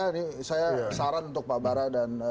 ini saya saran untuk pak bara dan